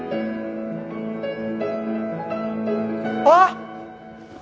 あっ！